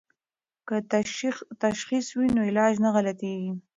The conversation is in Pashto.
که تشخیص وي نو علاج نه غلطیږي.